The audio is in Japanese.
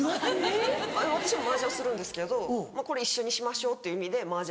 私も麻雀するんですけどこれ一緒にしましょうっていう意味で麻雀牌。